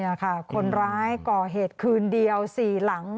นี่ค่ะคนร้ายก่อเหตุคืนเดียว๔หลัง